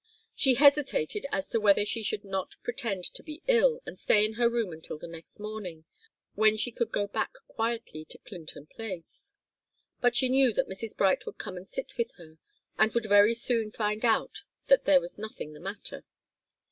She hesitated as to whether she should not pretend to be ill and stay in her room until the next morning, when she could go back quietly to Clinton Place. But she knew that Mrs. Bright would come and sit with her and would very soon find out that there was nothing the matter.